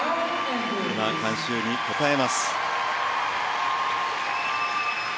観衆に応えます。